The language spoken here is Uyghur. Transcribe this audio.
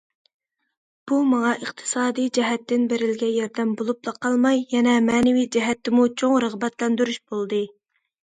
بۇ ماڭا ئىقتىسادىي جەھەتتىن بېرىلگەن ياردەم بولۇپلا قالماي، يەنە مەنىۋى جەھەتتىمۇ چوڭ رىغبەتلەندۈرۈش بولدى.